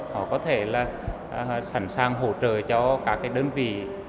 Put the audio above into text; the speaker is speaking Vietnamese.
họ có thể sẵn sàng hỗ trợ cho các đơn vị